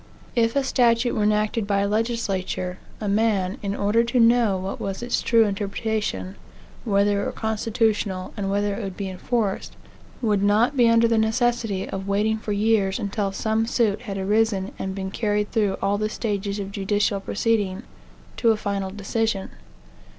If a statute were enacted by a legislature, a man, in order to know what was its true interpretation, whether it were constitutional, and whether it would be enforced, would not be under the necessity of waiting for years until some suit had arisen and been carried through all the stages of judicial proceeding, to a final decision.